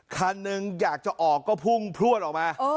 คันหนึ่งอยากจะออกก็พุ่งพลวดออกมา